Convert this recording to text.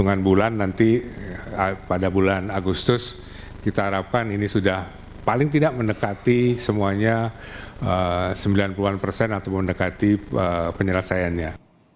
hitungan bulan nanti pada bulan agustus kita harapkan ini sudah paling tidak mendekati semuanya sembilan puluh an persen atau mendekati penyelesaiannya